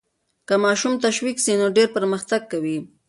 که ماشوم تشویق سي نو ډېر پرمختګ کوي.